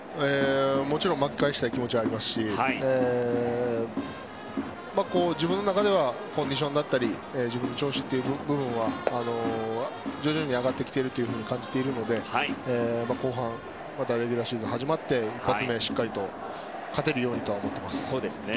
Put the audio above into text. もちろん巻き返したい気持ちはありますし自分の中ではコンディションだったり自分の調子という部分は徐々に上がってきていると感じているので後半、レギュラーシーズンが始まって一発目しっかりと勝てるようにとは思っています。